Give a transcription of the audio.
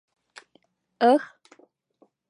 — Ых...